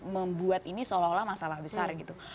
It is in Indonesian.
membuat ini seolah olah masalah besar gitu